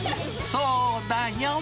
そうだよ。